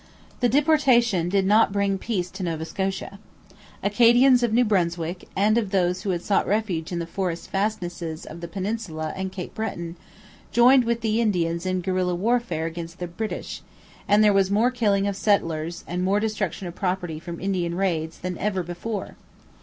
The deportation did not bring peace to Nova Scotia. Acadians of New Brunswick and of those who had sought refuge in the forest fastnesses of the peninsula and Cape Breton joined with the Indians in guerilla warfare against the British; and there was more killing of settlers and more destruction of property from Indian raids than ever before.